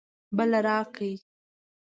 بله راکړئ